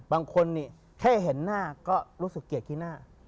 บางคนนี่แค่เห็นหน้าก็รู้สึกเกลียดขี้หน้า